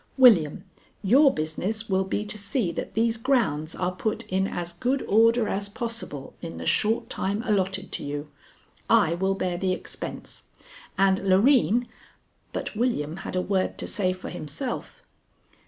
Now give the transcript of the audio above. William, your business will be to see that these grounds are put in as good order as possible in the short time allotted to you. I will bear the expense, and Loreen " But William had a word to say for himself.